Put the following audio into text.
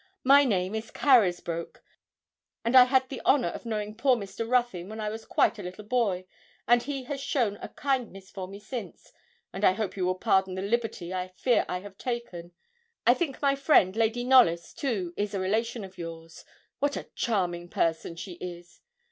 My name is Carysbroke, and I had the honour of knowing poor Mr. Ruthyn when I was quite a little boy, and he has shown a kindness for me since, and I hope you will pardon the liberty I fear I've taken. I think my friend, Lady Knollys, too, is a relation of yours; what a charming person she is!'